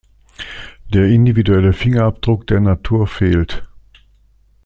Der individuelle Fingerabdruck der Natur fehlt.